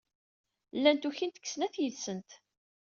Llant ukint deg snat yid-sent.